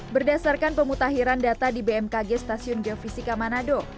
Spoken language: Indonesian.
berdasarkan pemutahiran data di bmkg stasiun geofisika manado